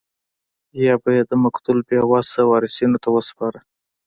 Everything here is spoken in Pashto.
یا به یې د مقتول بې وسه وارثینو ته ورسپاره.